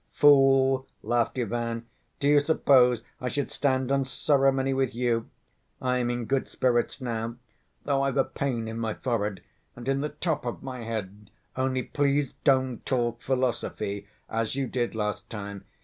"Fool," laughed Ivan, "do you suppose I should stand on ceremony with you? I am in good spirits now, though I've a pain in my forehead ... and in the top of my head ... only please don't talk philosophy, as you did last time.